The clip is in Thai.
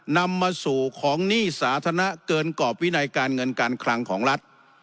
นำมาสู่ของหนี้สาธารณะเกินกรอบวินัยการเงินการคลังของรัฐ